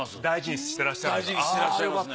大事にしてらっしゃいますね。